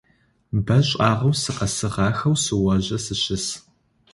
Бэ шӏагъэу сыкъэсыгъахэу сыожэ сыщыс.